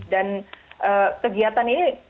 dan kegiatan ini